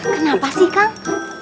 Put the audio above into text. kenapa sih kang